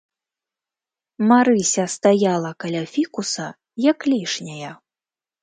Марыся стаяла каля фікуса як лішняя.